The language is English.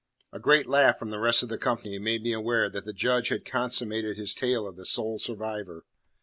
A great laugh from the rest of the company made me aware that the Judge had consummated his tale of the "Sole Survivor."